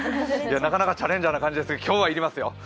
なかなかチャレンジャーな感じですが今日は要りますよ。